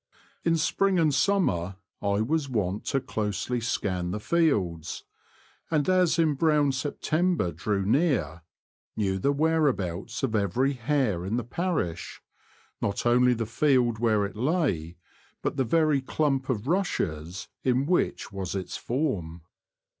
In spring and summer I was wont to closely scan the fields, and as embrowned September drew near, knew the whereabouts of every hare in the parish — not only the field where it lay, but the very clump of rushes in which was its form.